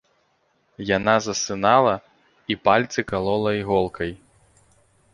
Яна засынала і пальцы калола іголкай.